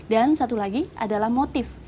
dan satu lagi adalah motif